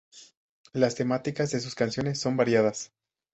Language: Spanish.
Las temáticas de sus canciones son variadas.